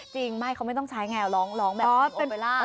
จริงเขาไม่ต้องใช้แง่ล้องแบบพลิกอโอเบรา